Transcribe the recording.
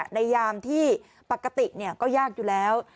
ยามที่ปกติก็ยากอยู่แล้ว